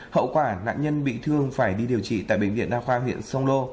hậu quả nạn nhân bị thương phải đi điều trị tại bệnh viện đa khoa huyện sông lô